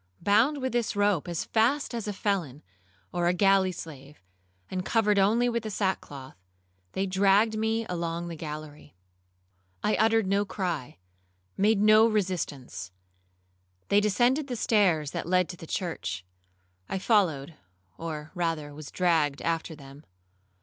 Bound with this rope as fast as a felon, or a galley slave, and covered only with the sackcloth, they dragged me along the gallery. I uttered no cry, made no resistance. They descended the stairs that led to the church. I followed, or rather was dragged after them.